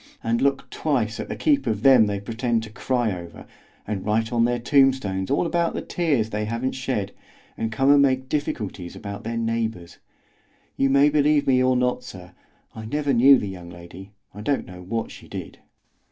and look twice at the keep of them they pretend to cry over, and write on their tombstones all about the tears they haven't shed, and come and make difficulties about their neighbours. You may believe me or not, sir, I never knew the young lady; I don't know what she did.